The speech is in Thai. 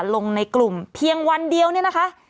ลงในกลุ่มเพียงวันเดียวเนี่ยนะคะ